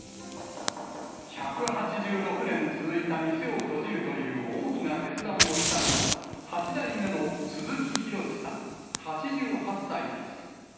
１８６年続いた店を閉じるという大きな決断をしたのは、８代目の鈴木博さん８８歳です。